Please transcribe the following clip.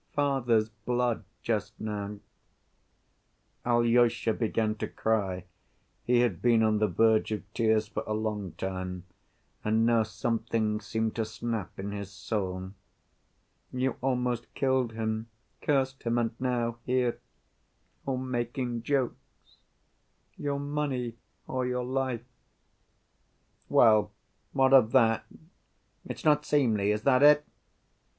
Father's blood just now." (Alyosha began to cry, he had been on the verge of tears for a long time, and now something seemed to snap in his soul.) "You almost killed him—cursed him—and now—here—you're making jokes—'Your money or your life!' " "Well, what of that? It's not seemly—is that it?